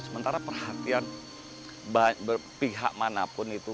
sementara perhatian pihak manapun itu